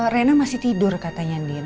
rena masih tidur katanya dian